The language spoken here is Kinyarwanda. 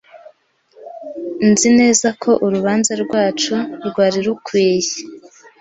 Nzi neza ko urubanza rwacu rwari rukwiye.